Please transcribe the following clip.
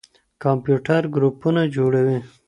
کمپيوټر ګروپونه جوړوي.